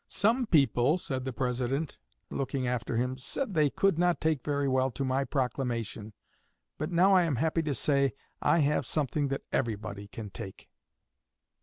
"Some people," said the President, looking after him, "said they could not take very well to my proclamation; but now, I am happy to say, I have something that everybody can take."